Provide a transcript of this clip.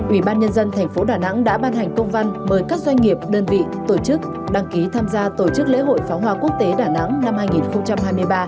ủy ban nhân dân tp hcm đã ban hành công văn mời các doanh nghiệp đơn vị tổ chức đăng ký tham gia tổ chức lễ hội phá hoa quốc tế đà nẵng năm hai nghìn hai mươi ba